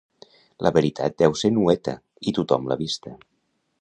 La veritat deu ser nueta i tothom l'ha vista.